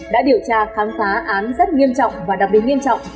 đã điều tra khám phá án rất nghiêm trọng và đặc biệt nghiêm trọng